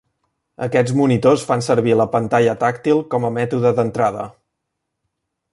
Aquests monitors fan servir la pantalla tàctil com a mètode d'entrada.